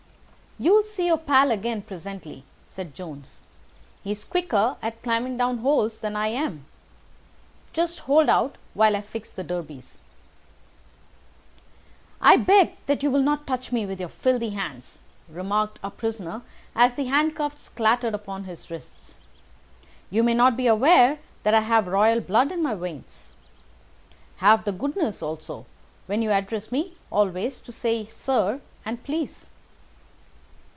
"You'll see your pal again presently," said Jones. "He's quicker at climbing down holes than I am. Just hold out while I fix the derbies." "I beg that you will not touch me with your filthy hands," remarked our prisoner as the handcuffs clattered upon his wrists. "You may not be aware that I have royal blood in my veins. Have the goodness, also, when you address me always to say 'sir' and 'please.